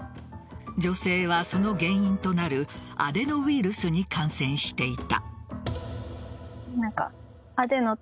女性はその原因となるアデノウイルスに感染していた。